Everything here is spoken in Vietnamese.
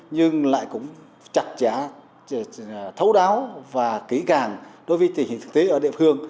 nhưng lại cũng chặt chẽ thấu đáo và kỹ càng đối với tình hình thực tế ở địa phương